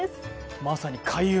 まさに開運。